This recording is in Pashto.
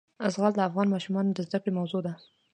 زغال د افغان ماشومانو د زده کړې موضوع ده.